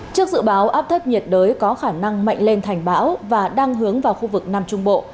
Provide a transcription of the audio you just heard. trước dự báo áp thấp nhiệt đới có khả năng mạnh lên thành bão và đang hướng vào khu vực nam trung bộ